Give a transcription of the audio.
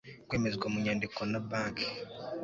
kwemezwa mu nyandiko na banki